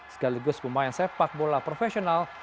sekaligus pemain sepak bola profesional